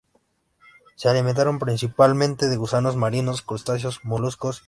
Se alimentan principalmente de gusanos marinos, crustáceos, moluscos, y de otros peces.